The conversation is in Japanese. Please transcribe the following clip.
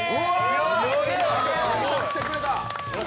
よう来てくれた！